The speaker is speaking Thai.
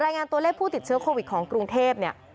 รายงานตัวเลขผู้ติดเชื้อโควิดของกรุงเทพเนี่ย